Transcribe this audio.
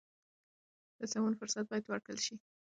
د سمون فرصت باید ورکړل شي.